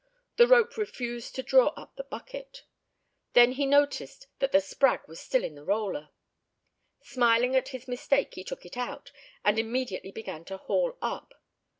The rope refused to draw up the bucket. Then he noticed that the "sprag" was still in the roller. Smiling at his mistake he took it out, and immediately began to haul up.